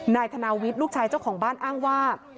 นายธนาวิทย์ลูกชายเจ้าของบ้านอ้างว่า